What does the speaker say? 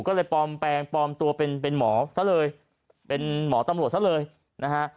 ก็เลยปลอมแปลงปลอมตัวเป็นเป็นหมอซะเลยเป็นหมอตำรวจซะเลยนะฮะ